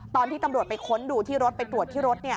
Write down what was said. ตอนที่ตำรวจไปค้นดูที่รถไปตรวจที่รถ